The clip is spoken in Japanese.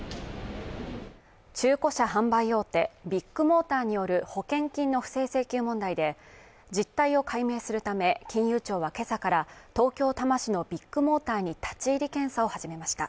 中古車販売大手ビッグモーターによる保険金の不正請求問題で実態を解明するため金融庁はけさから東京多摩市のビッグモーターに立ち入り検査を始めました